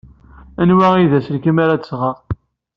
Anwa ay d aselkim ara d-sɣeɣ?